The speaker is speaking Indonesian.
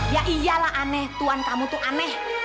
ya iyalah aneh tuhan kamu tuh aneh